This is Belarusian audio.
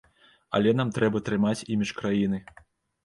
Але нам трэба трымаць імідж краіны.